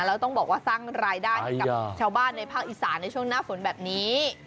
แล้วต้องบอกว่าสร้างรายได้ให้กับชาวบ้านในภาคอีสานในช่วงหน้าฝนแบบนี้